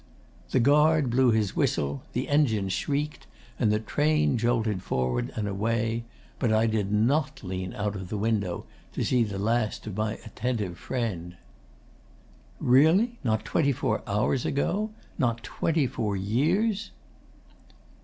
'The guard blew his whistle; the engine shrieked, and the train jolted forward and away; but I did not lean out of the window to see the last of my attentive friend. 'Really not twenty four hours ago? Not twenty four years?